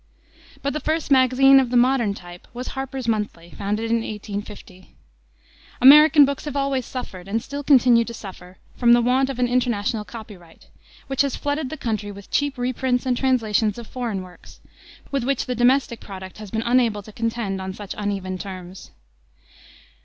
But the first magazine of the modern type was Harper's Monthly, founded in 1850. American books have always suffered, and still continue to suffer, from the want of an international copyright, which has flooded the country with cheap reprints and translations of foreign works, with which the domestic product has been unable to contend on such uneven terms.